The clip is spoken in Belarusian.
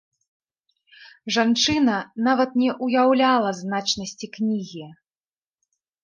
Жанчына нават не ўяўляла значнасці кнігі.